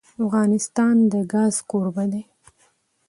افغانستان د ګاز کوربه دی.